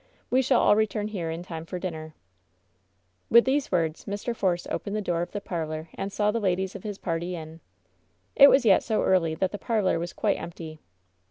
We shall all return here in time for dinner." With these words Mr. Force opened the door of the parlor and saw the ladies of his party in. It was yet so early that the parlor was quite empty.